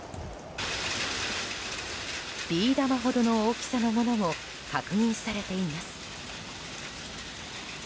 ビー玉ほどの大きさのものも確認されています。